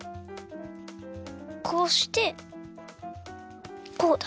こうしてこうだ。